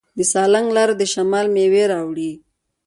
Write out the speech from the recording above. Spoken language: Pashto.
د سالنګ لاره د شمال میوې راوړي.